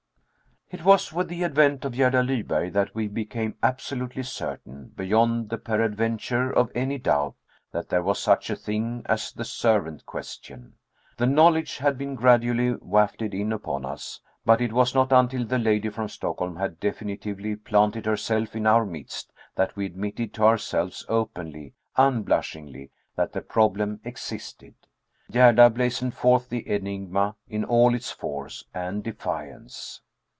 It was with the advent of Gerda Lyberg that we became absolutely certain, beyond the peradventure of any doubt, that there was such a thing as the servant question. The knowledge had been gradually wafted in upon us, but it was not until the lady from Stockholm had definitively planted herself in our midst that we admitted to ourselves openly, unblushingly, that the problem existed. Gerda blazoned forth the enigma in all its force and defiance.